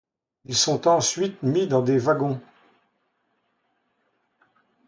Ils sont ensuite mis dans des wagons.